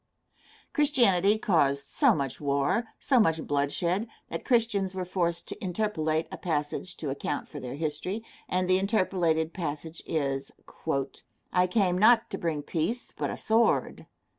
Christianity caused so much war, so much bloodshed, that Christians were forced to interpolate a passage to account for their history, and the interpolated passage is, "I came not to bring peace, but a sword."